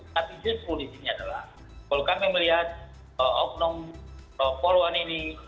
tapi just kondisinya adalah kalau kami melihat hukum poluan ini